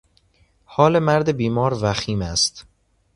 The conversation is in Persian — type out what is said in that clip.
حال مرد بیمار وخیم است.